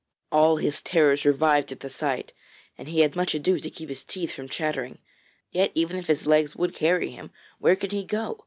All his terrors revived at the sight, and he had much ado to keep his teeth from chattering. Yet, even if his legs would carry him, where could he go?